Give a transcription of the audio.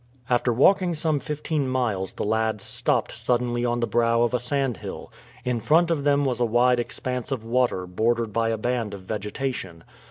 After walking some fifteen miles the lads stopped suddenly on the brow of a sandhill. In front of them was a wide expanse of water bordered by a band of vegetation.